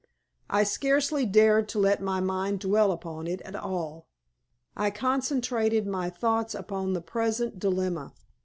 I scarcely dared to let my mind dwell upon it at all. I concentrated my thoughts upon the present dilemma.